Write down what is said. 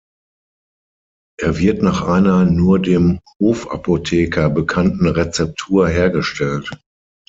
Er wird nach einer nur dem „Hofapotheker“ bekannten Rezeptur hergestellt.